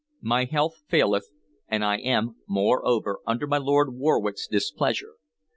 My health faileth, and I am, moreover, under my Lord Warwick's displeasure.